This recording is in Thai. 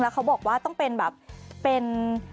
เขาบอกว่าต้องเป็นแบบเป็น